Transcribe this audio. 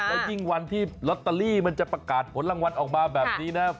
และยิ่งวันที่ลอตเตอรี่มันจะประกาศผลรางวัลออกมาแบบนี้นะ